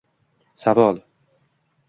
Savol.